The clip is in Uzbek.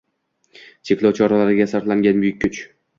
cheklov choralariga sarflangan buyuk kuch